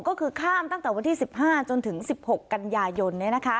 ก็คือข้ามตั้งแต่วันที่๑๕จนถึง๑๖กันยายน